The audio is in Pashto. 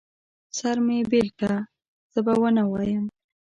سر مې بېل که، څه به ونه وايم.